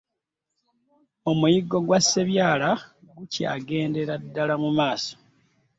Omuyiggo gwa Ssebyala gukyagendera ddala mu maaso.